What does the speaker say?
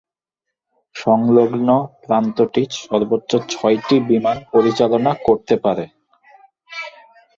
সংলগ্ন প্রান্তটি সর্বোচ্চ ছয়টি বিমান পরিচালনা করতে পারে।